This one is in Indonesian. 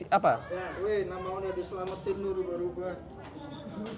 uih nama u nih diselametin tuh berubah rubah